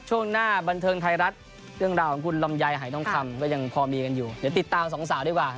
ช่วงหน้าบันเทิงไทรรัศ